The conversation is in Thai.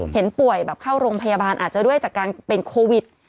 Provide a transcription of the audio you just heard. เห็นป่วยแบบเข้าโรงพยาบาลอาจจะด้วยจากการเป็นโควิด